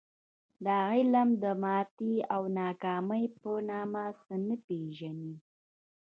دا علم د ماتې او ناکامۍ په نامه څه نه پېژني